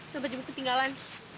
nampak jemput ketinggalan